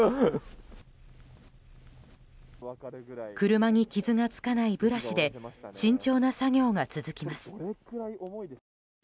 車に傷がつかないブラシで慎重な作業が続きます。